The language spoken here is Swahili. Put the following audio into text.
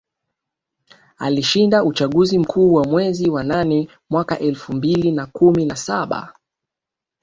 Alishinda uchaguzi mkuu wa mwezi wa nane mwaka elfu mbili na kumi na saba